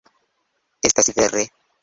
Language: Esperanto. Estas vere.